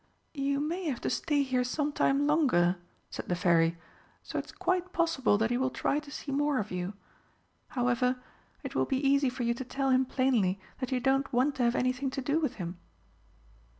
"You may have to stay here some time longer," said the Fairy, "so it's quite possible that he will try to see more of you. However, it will be easy for you to tell him plainly that you don't want to have anything to do with him."